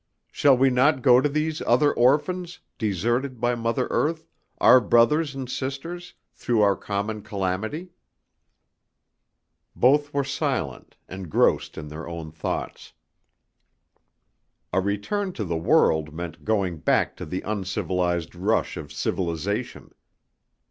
Shall we not go to these other orphans, deserted by Mother Earth, our brothers and sisters, through our common calamity?" Both were silent, engrossed in their own thoughts. A return to the world meant going back to the uncivilized rush of civilization.